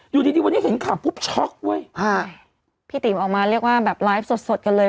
อยู่ดีดีวันนี้เห็นข่าวปุ๊บช็อกเว้ยอ่าพี่ติ๋มออกมาเรียกว่าแบบไลฟ์สดสดกันเลย